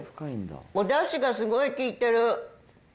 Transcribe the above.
おだしがすごい効いてる。